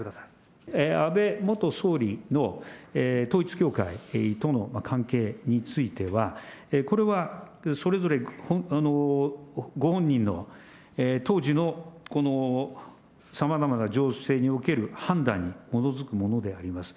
安倍元総理の統一教会との関係については、これはそれぞれご本人の当時のさまざまな情勢における判断に基づくものであります。